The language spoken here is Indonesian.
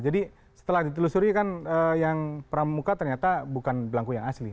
jadi setelah ditelusuri kan yang pramuka ternyata bukan blangko yang asli